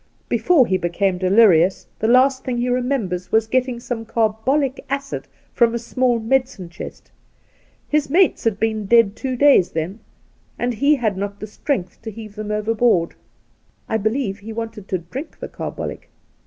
Before he became delirious, the last thing he remembers was getting some carbolie acid from a small medicine chest. His mates had been dead two days then, and he had not the strength to heave them overboard. I believe he, wanted to drink the carbolic.